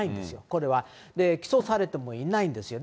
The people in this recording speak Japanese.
これは、起訴されてもいないんですよ。